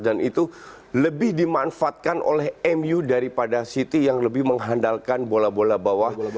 dan itu lebih dimanfaatkan oleh mu daripada city yang lebih mengandalkan bola bola bawah